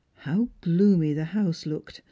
How gloomy the house looked !